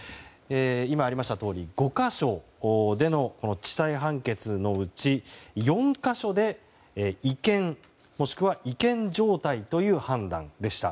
今ありましたとおり５か所での地裁判決のうち４か所で違憲もしくは違憲状態という判断でした。